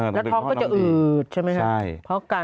แล้วท้อก็จะอืดใช่ไหม